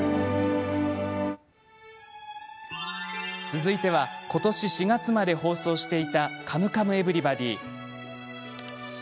続いてはことし４月まで放送していた「カムカムエヴリバディ」。